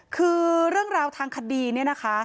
คือเรื่องราวทางคดีเนี่ยนะคะ